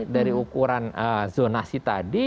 dari ukuran zonasi tadi